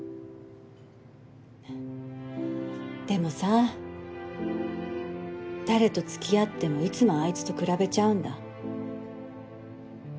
でもさ誰と付き合ってもいつもあいつと比べちゃうんだ。